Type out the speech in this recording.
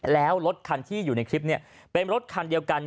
แล้วรถคันที่อยู่ในคลิปเนี่ยเป็นรถคันเดียวกัน